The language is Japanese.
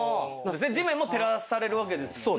地面も照らされるわけですもんね。